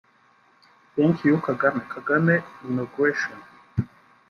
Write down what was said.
Thank you #Kagame #KagameInauguration